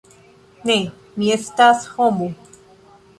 Ne, mi estas homo.